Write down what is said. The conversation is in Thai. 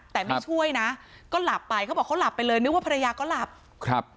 แต่ไม่ช่วยนะก็หลับไปเขาบอกเขาหลับไปเลยนึกว่าภรรยาก็หลับครับ